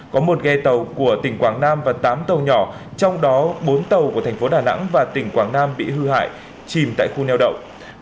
có một ghe tàu của tỉnh quảng nam và tám tàu nhỏ trong đó bốn tàu của thành phố đà nẵng và tỉnh quảng nam bị hư hại chìm tại khu neo đậu